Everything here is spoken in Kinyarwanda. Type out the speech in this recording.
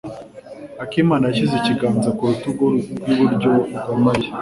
Akimana yashyize ikiganza ku rutugu rw'iburyo rwa Mariya.